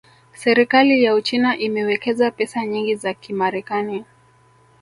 Serikali ya Uchina imewekeza pesa nyingi za Kimarekani